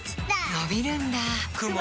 のびるんだ